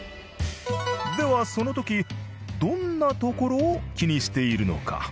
ではその時どんなところを気にしているのか？